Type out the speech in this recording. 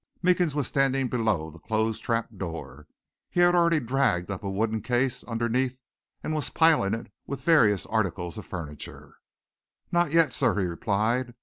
Meekins was standing below the closed trap door. He had already dragged up a wooden case underneath and was piling it with various articles of furniture. "Not yet, sir," he replied.